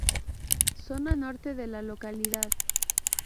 Zona Norte de la localidad.